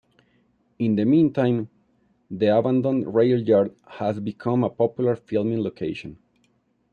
In the meantime, the abandoned railyard has become a popular filming location.